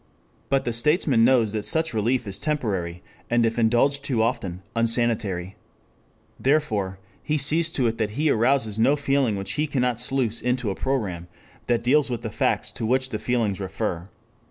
But the statesman knows that such relief is temporary, and if indulged too often, unsanitary. He, therefore, sees to it that he arouses no feeling which he cannot sluice into a program that deals with the facts to which the feelings refer.